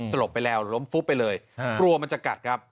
ลบไปแล้วล้มฟุบไปเลยกลัวมันจะกัดครับ